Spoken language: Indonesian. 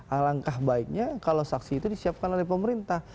alangkah baiknya kalau saksi itu disiapkan oleh pemerintah